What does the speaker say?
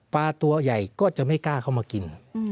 ตัวใหญ่ก็จะไม่กล้าเข้ามากิน